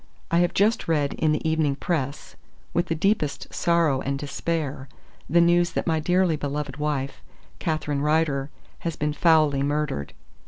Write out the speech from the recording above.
"I have just read in the Evening Press, with the deepest sorrow and despair, the news that my dearly Beloved wife, Catherine Rider, has been foully murdered.